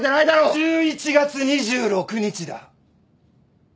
１１月２６日だ。